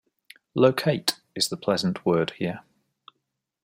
"Locate" is the pleasant word here.